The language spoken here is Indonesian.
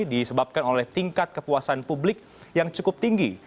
disebabkan oleh tingkat kepuasan publik yang cukup tinggi